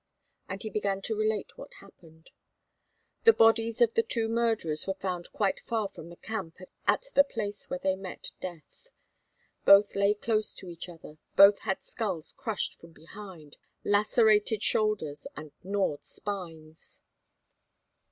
And he began to relate what happened. The bodies of the two murderers were found quite far from the camp at the place where they met death. Both lay close to each other, both had skulls crushed from behind, lacerated shoulders, and gnawed spines.